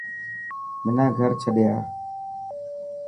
منا گھر ڇڏي آ.